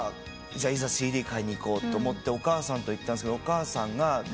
いざＣＤ買いに行こうと思ってお母さんと行ったんですけどお母さんが。